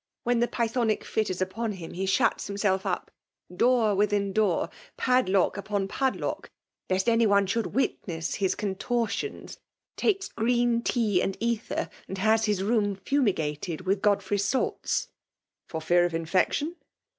When the Pythonic fit is upon him, he shuts himself up, door within door^ padlock upon padlock, lest any one should witness his contortions ; takes green tea and aether, and has his room fiimigated with God frey's salts." " For fear of infection